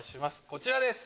こちらです。